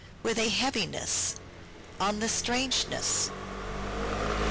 3.) with A heaviness " (V. I.) on The strangeness " (V.